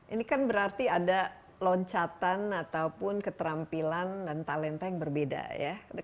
ini kan berarti ada loncatan ataupun keterampilan dan talenta yang berbeda ya